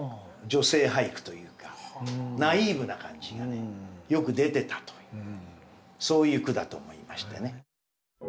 女性俳句というかナイーブな感じがよく出てたというそういう句だと思いましたね。